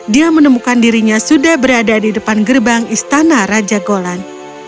dia menemukan dirinya sudah berada di depan gerbang istana raja golan